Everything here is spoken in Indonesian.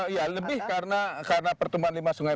ya lebih karena pertumbuhan lima sungai